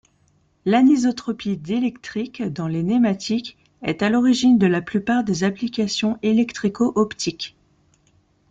L'anisotropie diélectrique dans les nématiques est à l'origine de la plupart des applications électrico-optiques.